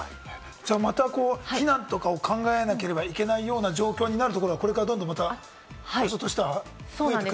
また避難とかを考えなければいけないような状況になるところはこれからどんどんまた、ひょっとしたら出てくるかもしれない？